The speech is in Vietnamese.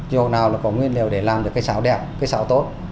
chỗ nào là có nguyên liệu để làm được cái xáo đẹp cái xáo tốt